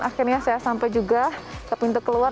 akhirnya saya sampai juga ke pintu keluar